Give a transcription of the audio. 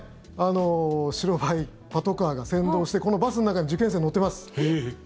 白バイ、パトカーが先導してこのバスの中に受験生、乗ってます。